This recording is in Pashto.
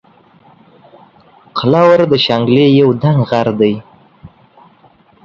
قلاور د شانګلې یو دنګ غر دے